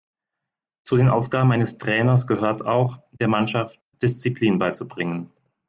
Zu den Aufgaben eines Trainers gehört auch, der Mannschaft Disziplin beizubringen.